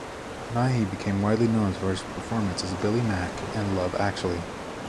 Nighy became widely known for his performance as Billy Mack in "Love Actually".